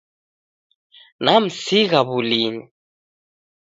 Namsigha wulinyi.